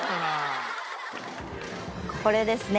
これですね。